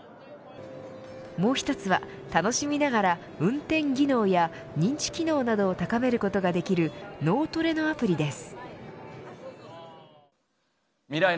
もう一つは楽しみながら、運転技能や認知機能などを高めることができる脳トレのアプリです。